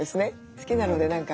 好きなので何か。